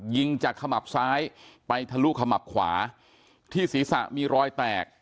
ยิงจากขมับซ้ายไปทะลุขมับขวาที่ศีรษะมีรอยแตก